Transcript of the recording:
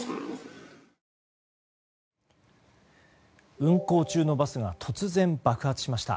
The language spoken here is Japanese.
運行中のバスが突然、爆発しました。